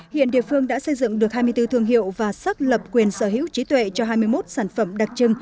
hiện địa phương đã xây dựng được hai mươi bốn thương hiệu và xác lập quyền sở hữu trí tuệ cho hai mươi một sản phẩm đặc trưng